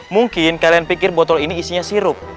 mungkin kalian pikir botol ini isinya sirup